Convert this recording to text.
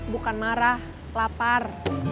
bukan marah lapar